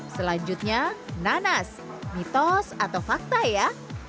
selanjutnya nanas mitos atau fakta ya